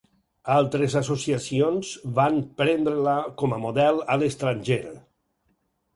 Altres associacions van prendre-la com a model a l'estranger.